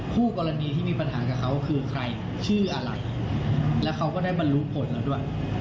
คู่กรณีที่มีปัญหากับเขาคือใครชื่ออะไรและเขาก็ได้บรรลุผลเราด้วย